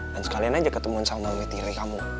dan sekalian aja ketemuan sama mimpi tiri kamu